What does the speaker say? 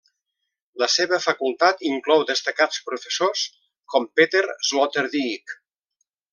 La seva facultat inclou destacats professors com Peter Sloterdijk.